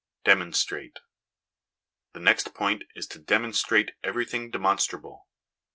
Demonstrate. The next point is to demonstrate everything demonstrable.